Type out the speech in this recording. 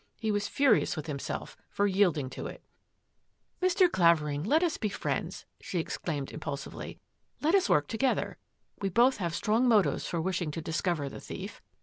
He was furious with himself for yielding to it. " Mr. Clavering, let us be friends !" she ex claimed impulsively. " Let us work together. We both have strong motives for wishing to dis cover the thief.